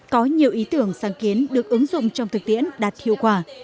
có nhiều ý tưởng sáng kiến được ứng dụng trong thực tiễn đạt hiệu quả